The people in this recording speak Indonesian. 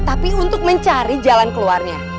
tapi untuk mencari jalan keluarnya